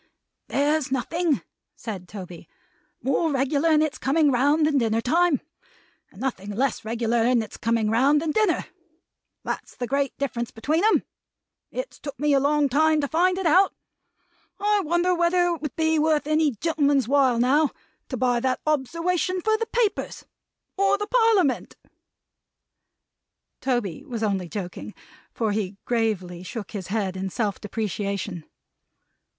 "There's nothing," said Toby, "more regular in its coming round than dinner time, and nothing less regular in its coming round than dinner. That's the great difference between 'em. It's took me a long time to find it out. I wonder whether it would be worth any gentleman's while, now, to buy that obserwation for the Papers; or the Parliament!" Tony was only joking, for he gravely shook his head in self depreciation.